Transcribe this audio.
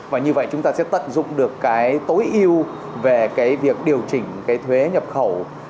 và như vậy chúng ta sẽ tận dụng được cái tối ưu về cái việc điều chỉnh cái thuế nhập khẩu